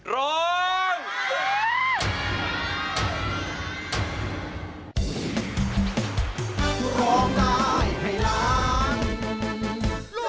ร้อง